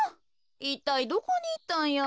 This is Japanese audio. いったいどこにいったんや。